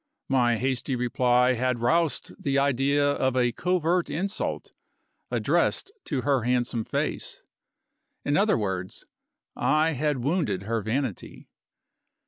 My hasty reply had roused the idea of a covert insult addressed to her handsome face. In other words, I had wounded her vanity.